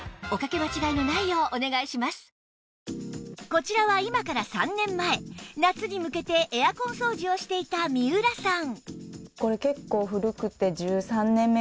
こちらは今から３年前夏に向けてエアコン掃除をしていた三浦さん